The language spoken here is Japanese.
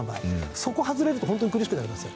そこを外れるとホントに苦しくなりますよ。